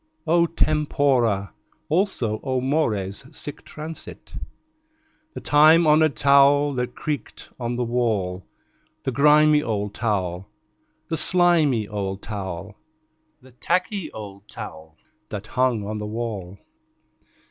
O tempora! Also, O mores! Sic transit The time honored towel that creaked on the wall. The grimy old towel, the slimy old towel, The tacky old towel that hung on the wall.